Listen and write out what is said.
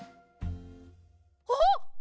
あっ！